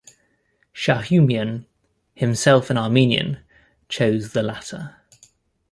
Shahumyan, himself an Armenian, chose the latter.